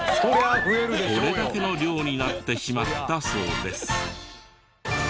これだけの量になってしまったそうです。